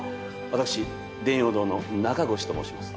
私電陽堂の中越と申します。